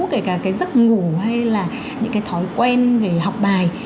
kể cả cái giấc ngủ hay là những cái thói quen về học bài